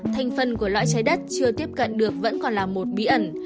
thành phần của loại trái đất chưa tiếp cận được vẫn còn là một bí ẩn